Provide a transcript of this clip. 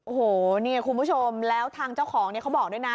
โอ้โหเนี่ยคุณผู้ชมแล้วทางเจ้าของเนี่ยเขาบอกด้วยนะ